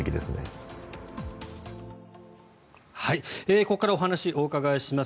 ここからお話をお伺いします